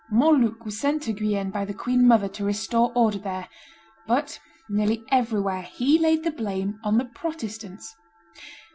Montluc was sent to Guienne by the queen mother to restore order there; but nearly everywhere he laid the blame on the Protestants.